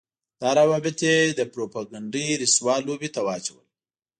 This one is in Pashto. دا روابط يې د پروپاګنډۍ رسوا لوبې ته واچول.